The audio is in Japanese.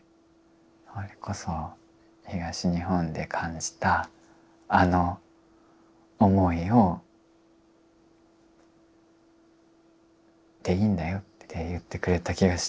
それこそ東日本で感じたあの思いをでいいんだよって言ってくれた気がしてですね